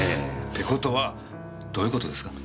って事はどういう事ですか？